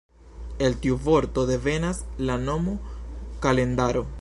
El tiu vorto devenas la nomo “kalendaro”.